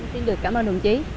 xin được cảm ơn đồng chí